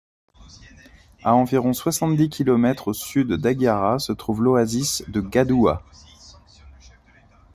À environ soixante-dix kilomètres au sud d'Hagiara se trouve l'oasis de Ghadduwah.